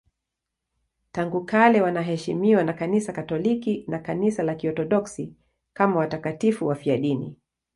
Tangu kale wanaheshimiwa na Kanisa Katoliki na Kanisa la Kiorthodoksi kama watakatifu wafiadini.